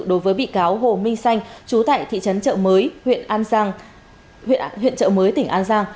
đối với bị cáo hồ minh xanh trú tại thị trấn trợ mới huyện trợ mới tỉnh an giang